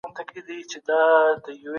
پښتو ته نوی ژوند ورکړه.